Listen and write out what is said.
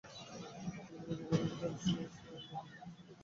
তিনি গ্নাস-র্ন্যিং, স্নার-থাং ও তানাক বৌদ্ধবিহারে শিক্ষালাভ করেন।